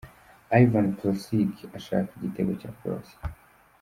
Ivan Persic ashaka igitego cya Croatia .